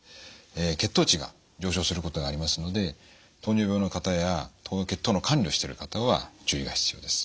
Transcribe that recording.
血糖値が上昇することがありますので糖尿病の方や血糖の管理をしている方は注意が必要です。